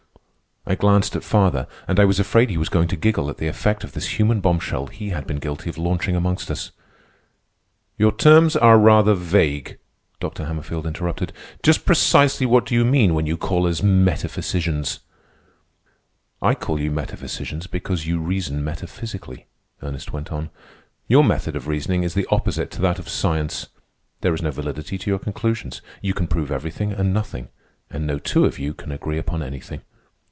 I glanced at father, and I was afraid he was going to giggle at the effect of this human bombshell he had been guilty of launching amongst us. "Your terms are rather vague," Dr. Hammerfield interrupted. "Just precisely what do you mean when you call us metaphysicians?" "I call you metaphysicians because you reason metaphysically," Ernest went on. "Your method of reasoning is the opposite to that of science. There is no validity to your conclusions. You can prove everything and nothing, and no two of you can agree upon anything.